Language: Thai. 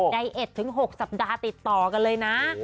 ใน๑๖สัปดาห์ติดต่อกันเลยนะ